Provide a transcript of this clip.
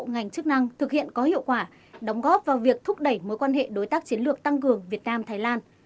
ngành chức năng thực hiện có hiệu quả đóng góp vào việc thúc đẩy mối quan hệ đối tác chiến lược tăng cường việt nam thái lan